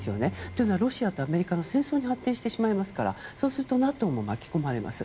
というのはロシアとアメリカの戦争に発展してしまいますからそうするとＮＡＴＯも巻き込まれます。